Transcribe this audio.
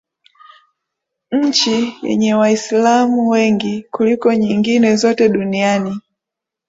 nchi yenye Waislamu wengi kuliko nyingine zote duniani